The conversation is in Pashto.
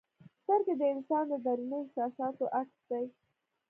سترګې د انسان د دروني احساساتو عکس دی.